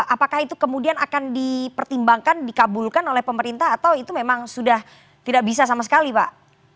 apakah itu kemudian akan dipertimbangkan dikabulkan oleh pemerintah atau itu memang sudah tidak bisa sama sekali pak